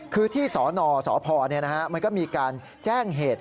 คือที่สนสพมันก็มีการแจ้งเหตุ